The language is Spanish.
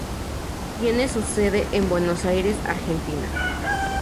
Tiene su sede en Buenos Aires, Argentina.